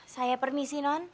saya permisi non